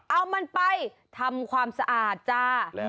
เอามันไปทำความสะอาดจ้า